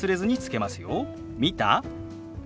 「見た？」。